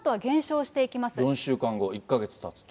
４週間後、１か月たつと。